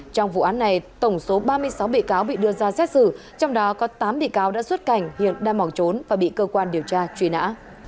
trong vụ án này tổng số ba mươi sáu bị cáo bị đưa ra xét xử trong đó có tám bị cáo đã xuất cảnh hiện đang bỏ trốn và bị cơ quan điều tra truy nã